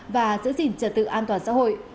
và giữ gìn trật tự an toàn xã hội